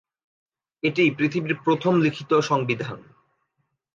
এটিই পৃথিবীর প্রথম লিখিত সংবিধান।